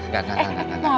gak gak gak